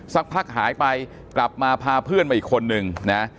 สักพักหายไปกลับมาพาเพื่อนมาอีกคนนึงนะ